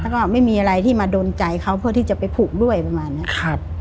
แล้วก็ไม่มีอะไรที่มาดนใจเขาเพื่อที่จะไปผูกด้วยประมาณเนี้ยครับ